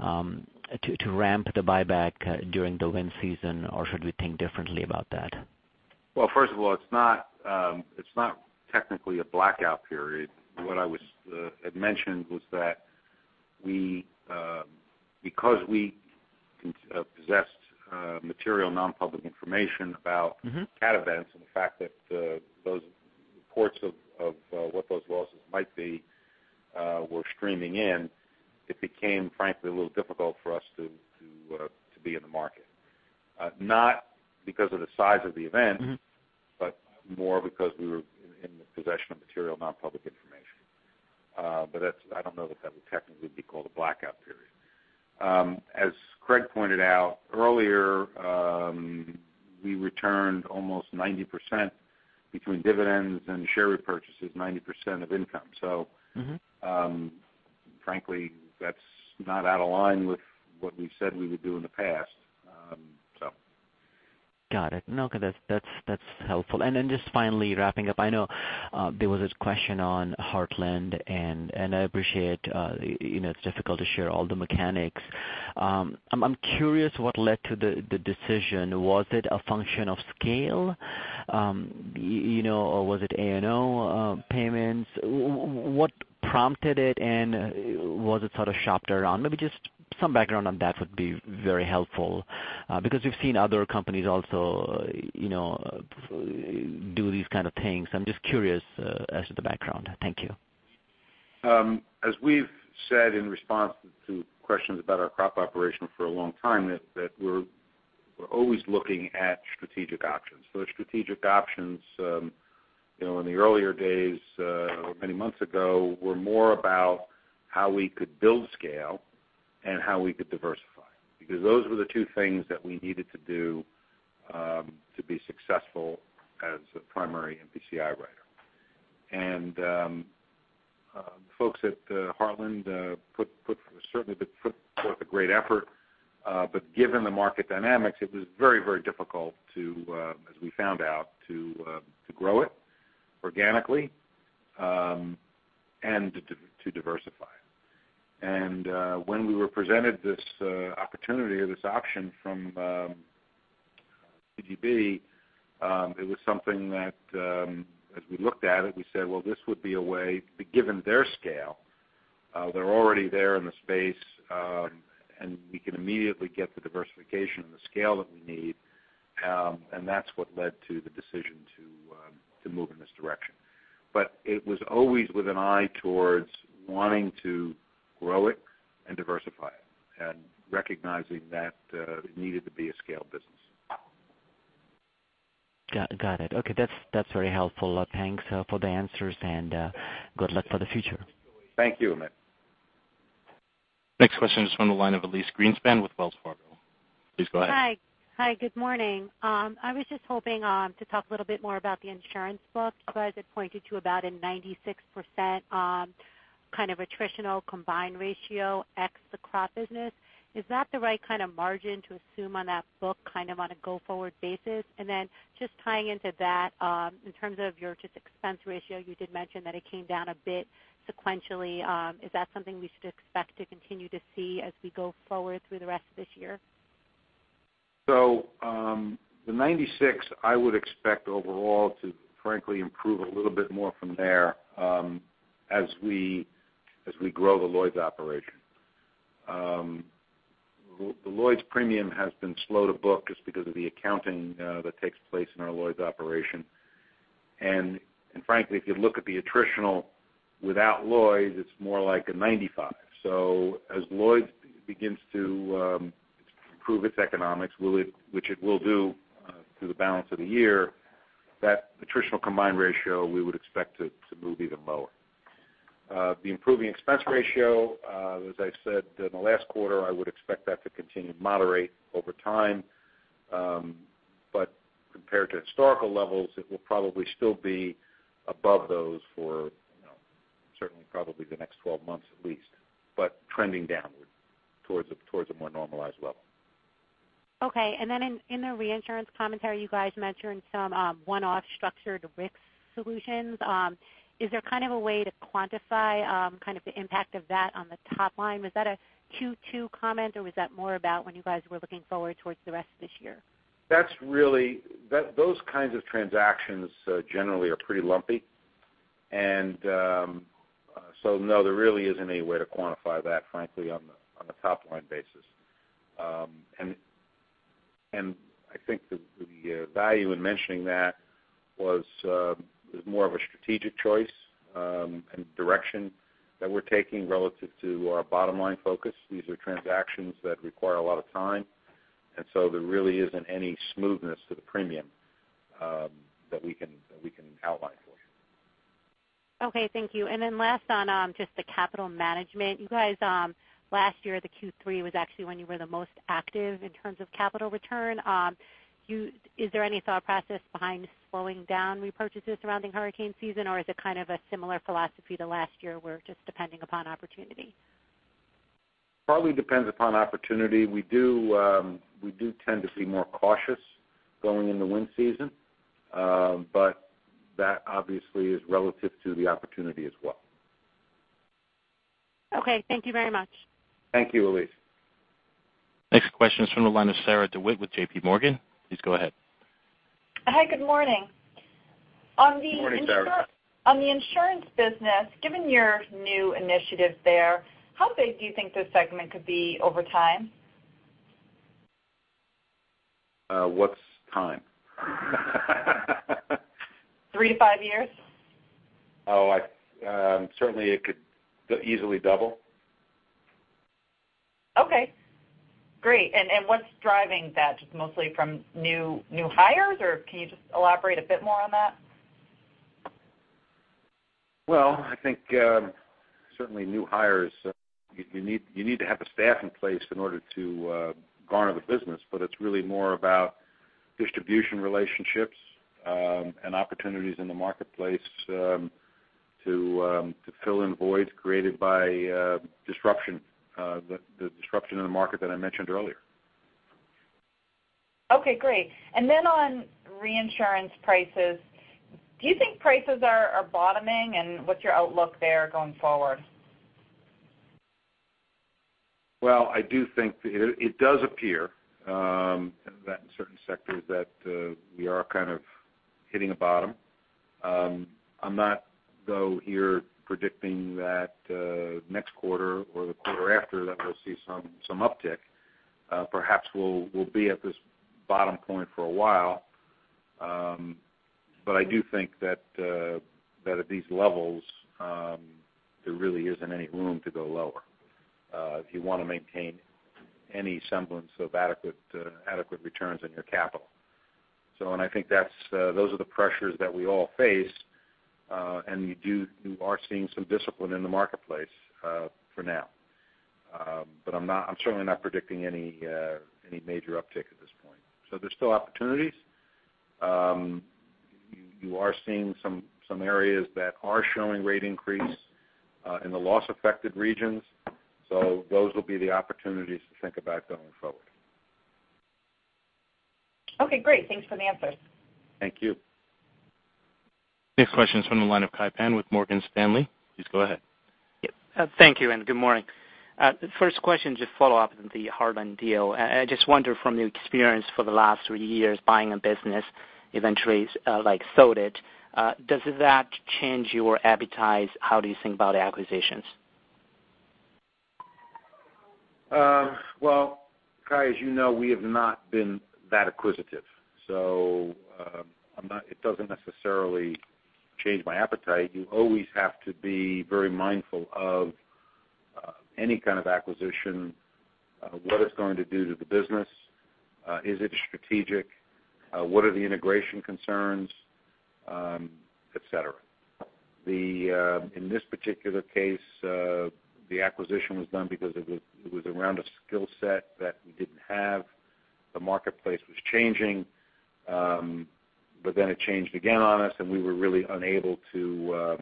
to ramp the buyback during the wind season, or should we think differently about that? First of all, it's not technically a blackout period. What I had mentioned was that because we possessed material non-public information about cat events and the fact that those reports of what those losses might be were streaming in, it became, frankly, a little difficult for us to be in the market. Not because of the size of the event, but more because we were in possession of material non-public information. I don't know that that would technically be called a blackout period. As Craig pointed out earlier, we returned almost 90% between dividends and share repurchases, 90% of income. Frankly, that's not out of line with what we said we would do in the past. Got it. That's helpful. Just finally wrapping up, I know there was this question on Heartland, I appreciate it's difficult to share all the mechanics. I'm curious what led to the decision. Was it a function of scale? Was it A&O payments? What prompted it, and was it sort of shopped around? Maybe just some background on that would be very helpful. We've seen other companies also do these kind of things. I'm just curious as to the background. Thank you. As we've said in response to questions about our crop operation for a long time, that we're always looking at strategic options. Those strategic options, in the earlier days many months ago, were more about how we could build scale and how we could diversify. Those were the two things that we needed to do to be successful as a primary MPCI writer. The folks at Heartland certainly put forth a great effort. Given the market dynamics, it was very difficult to, as we found out, to grow it organically, and to diversify it. When we were presented this opportunity or this option from CGB, it was something that as we looked at it, we said, well, this would be a way, given their scale, they're already there in the space, and we can immediately get the diversification and the scale that we need, and that's what led to the decision to move in this direction. It was always with an eye towards wanting to grow it and diversify it, and recognizing that it needed to be a scale business. Got it. Okay. That's very helpful. Thanks for the answers. Good luck for the future. Thank you, Amit. Next question is from the line of Elyse Greenspan with Wells Fargo. Please go ahead. Hi. Good morning. I was just hoping to talk a little bit more about the insurance book. You guys had pointed to about a 96% attritional combined ratio, ex the crop business. Is that the right kind of margin to assume on that book on a go-forward basis? Tying into that, in terms of your just expense ratio, you did mention that it came down a bit sequentially. Is that something we should expect to continue to see as we go forward through the rest of this year? The 96, I would expect overall to frankly improve a little bit more from there as we grow the Lloyd's operation. The Lloyd's premium has been slow to book just because of the accounting that takes place in our Lloyd's operation. Frankly, if you look at the attritional without Lloyd's, it is more like a 95. As Lloyd's begins to improve its economics, which it will do through the balance of the year, that attritional combined ratio, we would expect to move even lower. The improving expense ratio, as I said in the last quarter, I would expect that to continue to moderate over time. Compared to historical levels, it will probably still be above those for certainly probably the next 12 months at least, but trending downward towards a more normalized level. Okay. In the reinsurance commentary, you guys mentioned some one-off structured risk solutions. Is there a way to quantify the impact of that on the top line? Was that a Q2 comment, or was that more about when you guys were looking forward towards the rest of this year? Those kinds of transactions generally are pretty lumpy. No, there really isn't any way to quantify that, frankly, on a top-line basis. I think the value in mentioning that was more of a strategic choice and direction that we're taking relative to our bottom-line focus. These are transactions that require a lot of time, and so there really isn't any smoothness to the premium that we can outline for you. Okay. Thank you. Last on just the capital management. You guys, last year, the Q3 was actually when you were the most active in terms of capital return. Is there any thought process behind slowing down repurchases surrounding hurricane season, or is it a similar philosophy to last year where just depending upon opportunity? Probably depends upon opportunity. We do tend to be more cautious going into wind season. That obviously is relative to the opportunity as well. Okay. Thank you very much. Thank you, Elyse. Next question is from the line of Sarah DeWitt with JP Morgan. Please go ahead. Hi, good morning. Good morning, Sarah. On the insurance business, given your new initiative there, how big do you think this segment could be over time? What's time? Three to five years. Oh, certainly it could easily double. Okay, great. What's driving that? Just mostly from new hires, or can you just elaborate a bit more on that? Well, I think certainly new hires. You need to have the staff in place in order to garner the business, but it's really more about distribution relationships and opportunities in the marketplace to fill in voids created by disruption, the disruption in the market that I mentioned earlier. Okay, great. On reinsurance prices, do you think prices are bottoming, and what's your outlook there going forward? Well, it does appear that in certain sectors that we are kind of hitting a bottom. I'm not though here predicting that next quarter or the quarter after that we'll see some uptick. Perhaps we'll be at this bottom point for a while. I do think that at these levels, there really isn't any room to go lower if you want to maintain any semblance of adequate returns on your capital. I think those are the pressures that we all face. You are seeing some discipline in the marketplace for now. I'm certainly not predicting any major uptick at this point. There's still opportunities. You are seeing some areas that are showing rate increase in the loss-affected regions. Those will be the opportunities to think about going forward. Okay, great. Thanks for the answers. Thank you. Next question is from the line of Kai Pan with Morgan Stanley. Please go ahead. Yeah. Thank you, and good morning. First question, just follow up on the Heartland deal. I just wonder from your experience for the last three years, buying a business eventually like Stott, does that change your appetite? How do you think about acquisitions? Well, Kai, as you know, we have not been that acquisitive. It doesn't necessarily change my appetite. You always have to be very mindful of any kind of acquisition, what it's going to do to the business, is it strategic, what are the integration concerns, et cetera. In this particular case, the acquisition was done because it was around a skill set that we didn't have. The marketplace was changing. It changed again on us, and we were really unable to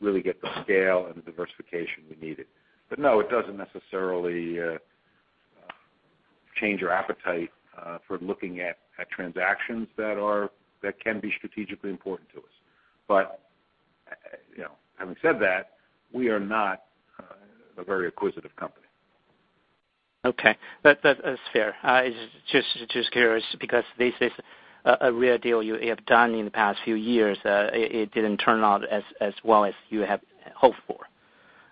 really get the scale and the diversification we needed. No, it doesn't necessarily change our appetite for looking at transactions that can be strategically important to us. Having said that, we are not a very acquisitive company. Okay. That's fair. Just curious because this is a rare deal you have done in the past few years, it didn't turn out as well as you had hoped for.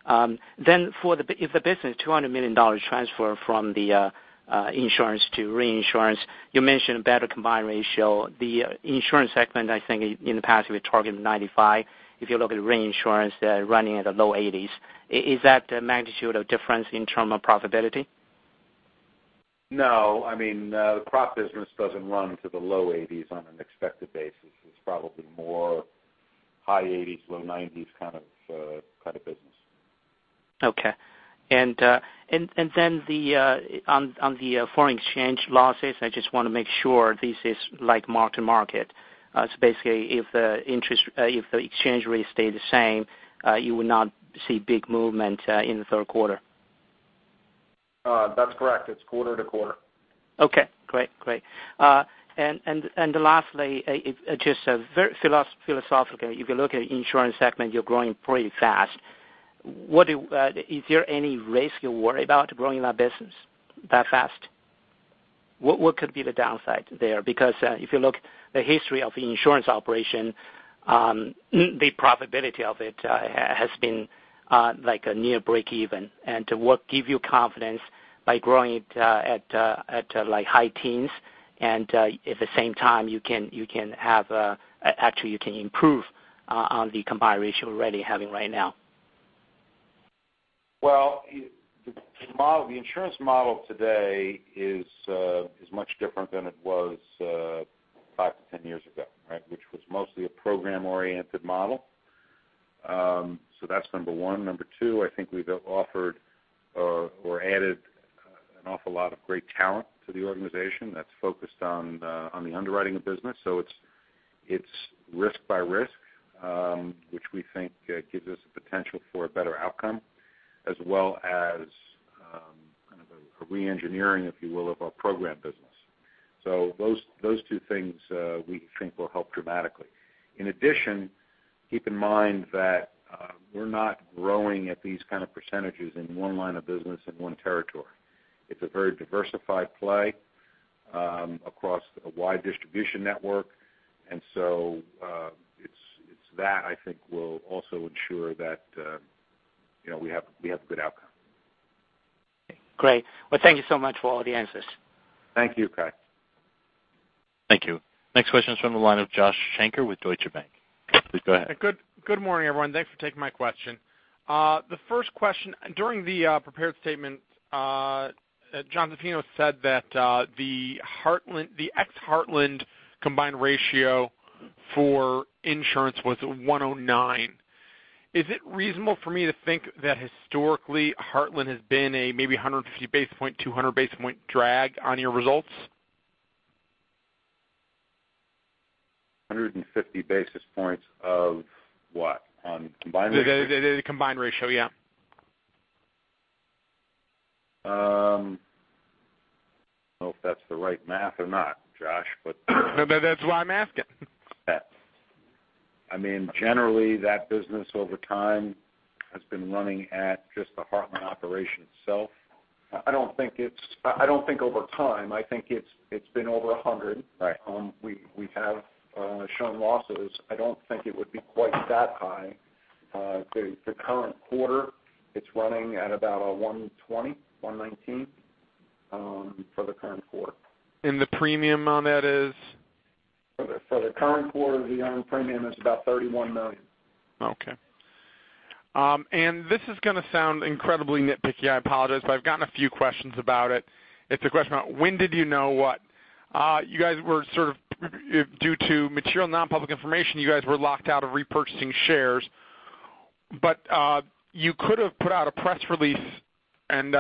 If the business $200 million transfer from the insurance to reinsurance, you mentioned a better combined ratio. The insurance segment, I think, in the past, we targeted 95%. If you look at reinsurance, they're running at the low 80s%. Is that a magnitude of difference in term of profitability? No. The prop business doesn't run to the low 80s% on an expected basis. It's probably more high 80s%, low 90s% kind of business. Okay. On the foreign exchange losses, I just want to make sure this is like mark-to-market. Basically, if the exchange rate stay the same, you would not see big movement in the third quarter. That's correct. It's quarter to quarter. Okay, great. Lastly, just very philosophical. If you look at insurance segment, you're growing pretty fast. Is there any risk you're worried about growing that business that fast? What could be the downside there? If you look the history of the insurance operation, the profitability of it has been like a near breakeven. What give you confidence by growing it at high teens and at the same time, actually, you can improve on the combined ratio you're already having right now? Well, the insurance model today is much different than it was five to 10 years ago, which was mostly a program-oriented model. That's number 1. Number 2, I think we've offered or added an awful lot of great talent to the organization that's focused on the underwriting of business. It's risk by risk, which we think gives us the potential for a better outcome, as well as kind of a re-engineering, if you will, of our program business. Those two things we think will help dramatically. In addition, keep in mind that we're not growing at these kind of percentages in one line of business in one territory. It's a very diversified play across a wide distribution network. It's that I think will also ensure that we have a good outcome. Great. Well, thank you so much for all the answers. Thank you, Kai. Thank you. Next question is from the line of Joshua Shanker with Deutsche Bank. Please go ahead. Good morning, everyone. Thanks for taking my question. The first question, during the prepared statement, Jonathan Zaffino said that the ex-Heartland combined ratio for insurance was 109. Is it reasonable for me to think that historically Heartland has been a maybe 150 basis point, 200 basis point drag on your results? 150 basis points of what? On combined ratio? The combined ratio, yeah. Don't know if that's the right math or not, Josh. That's why I'm asking. I mean, generally, that business over time has been running at just the Heartland operation itself. I don't think over time. I think it's been over 100%. Right. We have shown losses. I don't think it would be quite that high. The current quarter, it's running at about a 120%, 119% for the current quarter. The premium on that is? For the current quarter, the earned premium is about $31 million. Okay. This is going to sound incredibly nitpicky. I apologize, but I've gotten a few questions about it. It's a question about when did you know what? Due to material non-public information, you guys were locked out of repurchasing shares, but you could have put out a press release and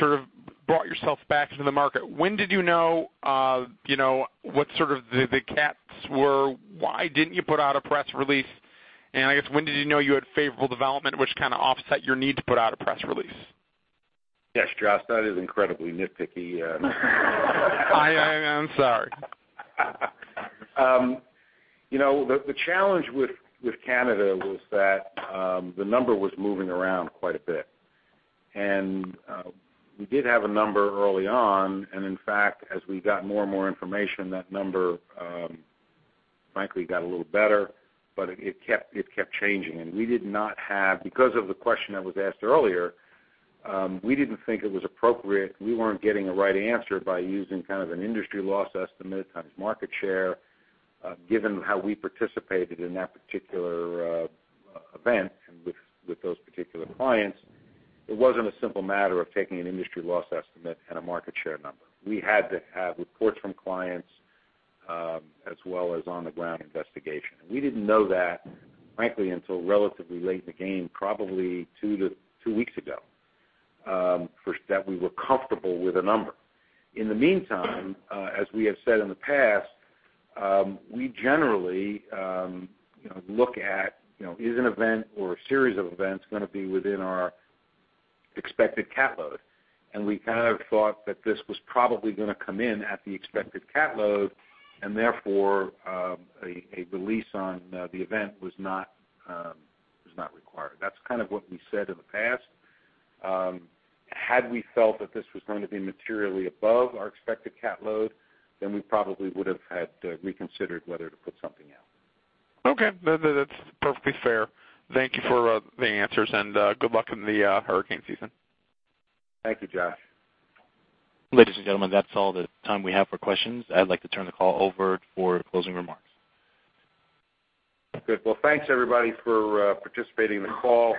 sort of brought yourself back into the market. When did you know what sort of the cats were? Why didn't you put out a press release? I guess when did you know you had favorable development which kind of offset your need to put out a press release? Yes, Josh, that is incredibly nitpicky. I'm sorry. The challenge with Canada was that the number was moving around quite a bit. We did have a number early on, in fact, as we got more and more information, that number frankly got a little better, but it kept changing. We did not have, because of the question that was asked earlier. We didn't think it was appropriate. We weren't getting a right answer by using kind of an industry loss estimate times market share, given how we participated in that particular event with those particular clients. It wasn't a simple matter of taking an industry loss estimate and a market share number. We had to have reports from clients, as well as on-the-ground investigation. We didn't know that, frankly, until relatively late in the game, probably two weeks ago, that we were comfortable with a number. In the meantime, as we have said in the past, we generally look at is an event or a series of events going to be within our expected cat load? We kind of thought that this was probably going to come in at the expected cat load, and therefore, a release on the event was not required. That's kind of what we said in the past. Had we felt that this was going to be materially above our expected cat load, then we probably would have had reconsidered whether to put something out. Okay. That's perfectly fair. Thank you for the answers, and good luck in the hurricane season. Thank you, Josh. Ladies and gentlemen, that's all the time we have for questions. I'd like to turn the call over for closing remarks. Good. Well, thanks, everybody, for participating in the call.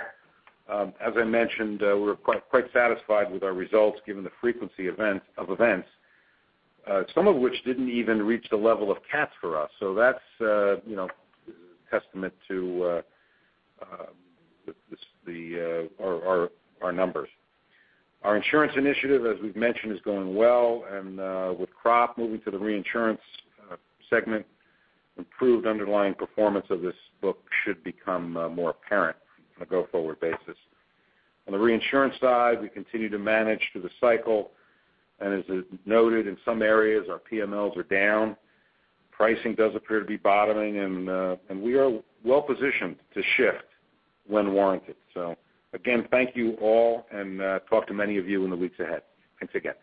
As I mentioned, we're quite satisfied with our results given the frequency of events, some of which didn't even reach the level of cats for us. That's a testament to our numbers. Our insurance initiative, as we've mentioned, is going well, and with crop moving to the reinsurance segment, improved underlying performance of this book should become more apparent on a go-forward basis. On the reinsurance side, we continue to manage through the cycle, and as is noted in some areas, our PMLs are down. Pricing does appear to be bottoming, and we are well positioned to shift when warranted. Again, thank you all, and talk to many of you in the weeks ahead. Thanks again.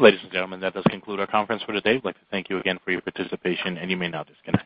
Ladies and gentlemen, that does conclude our conference for today. We'd like to thank you again for your participation, and you may now disconnect.